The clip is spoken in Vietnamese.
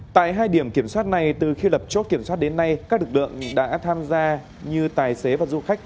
tại hai điểm kiểm soát này từ khi lập chốt kiểm soát đến nay các lực lượng đã tham gia như tài xế và du khách